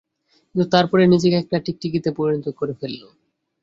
কিন্তু তারপরেই নিজেকে একটা টিকটিকিতে পরিণত করে ফেললো।